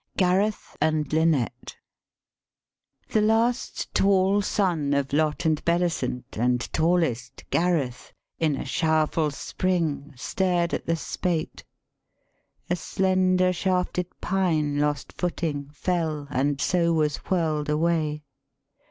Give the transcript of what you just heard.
GARETH AND LYNETTE " The last tall son of Lot and Bellicent, And tallest, Gareth, in a showerful spring Stared at the spate. A slender shafted Pine Lost footing, fell, and so was whirl 'd away.